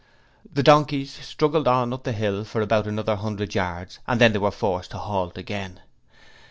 The 'donkeys' struggled on up the hill for about another hundred yards and then they were forced to halt again.